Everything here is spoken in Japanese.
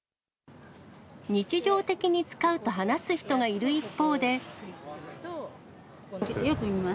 日常的に使うと話す人がいる一方で。